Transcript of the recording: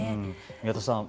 宮田さん